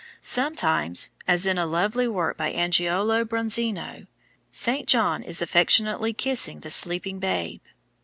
Sometimes, as in a lovely work by Angiolo Bronzino, Saint John is affectionately kissing the sleeping Babe.